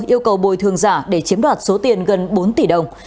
yêu cầu bồi thường giả để chiếm đoạt số tiền gần bốn tỷ đồng